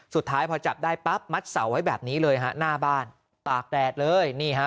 สุดท้ายพอจับได้ปั๊บมัดเสาไว้แบบนี้เลยฮะหน้าบ้านตากแดดเลยนี่ฮะ